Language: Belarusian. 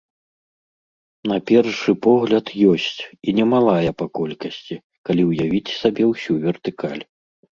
На першы погляд, ёсць, і немалая па колькасці, калі ўявіць сабе ўсю вертыкаль.